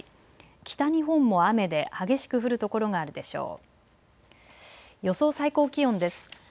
北日本も雨で激しく降る所があるでしょう。